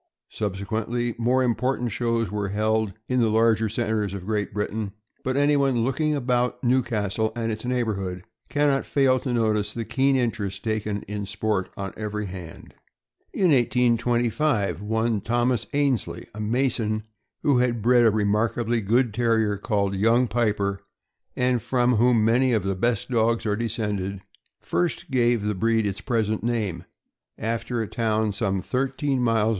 Subsequently, more important shows were held in the larger centers of Great Britain; but anyone looking about Newcastle and its neighborhood can not fail to notice the keen interest taken in sport on every hand. In 1825 one Thomas Ainsley, a mason, who had bred a remarkably good Terrier called Young Piper, and from whom many of the best dogs are descended, first gave the breed its present name, after a town some thirteen miles * Encyclopedia Britannica, ninth edition, Northumberland. THE BEDLINGTON TERRIER.